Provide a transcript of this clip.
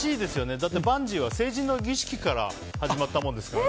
だって、バンジーは成人の儀式から始まったものですからね。